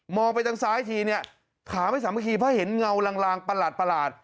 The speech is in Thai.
ไปทางซ้ายทีเนี่ยขาไม่สามัคคีเพราะเห็นเงาลางประหลาด